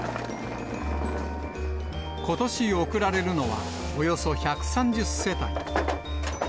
ことし贈られるのは、およそ１３０世帯。